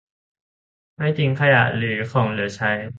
ไม่ทิ้งขยะหรือของเหลือใช้